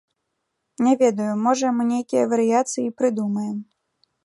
Не ведаю, можа, мы нейкія варыяцыі і прыдумаем.